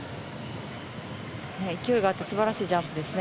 勢いがあってすばらしいジャンプですね。